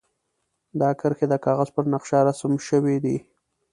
دا کرښې د کاغذ پر نقشه رسم شوي دي.